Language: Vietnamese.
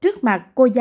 trước mặt bố mẹ em đó